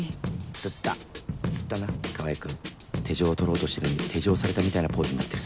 つったつったな川合君手錠を取ろうとしてるのに手錠されたみたいなポーズになってる